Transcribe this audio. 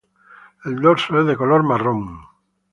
El dorso es de color marrón.